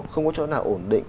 không có chỗ nào ổn định